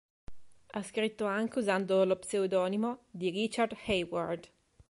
Ha scritto anche usando lo pseudonimo di Richard Hayward.